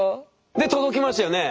で届きますよね